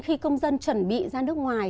khi công dân chuẩn bị ra nước ngoài